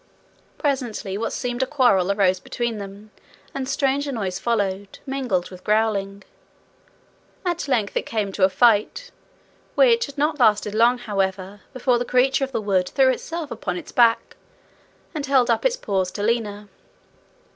Presently what seemed a quarrel arose between them, and stranger noises followed, mingled with growling. At length it came to a fight, which had not lasted long, however, before the creature of the wood threw itself upon its back, and held up its paws to Lina.